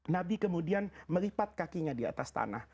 nabi kemudian melipat kakinya di atas tanah